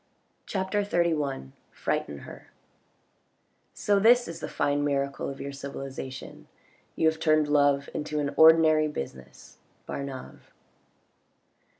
CHAPTER LXI FRIGHTEN HER So this is the fine miracle of your civilisation ; you have, turned love into an ordinary business. — Bat nave.